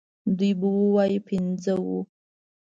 دوی به ووايي پنځه وو.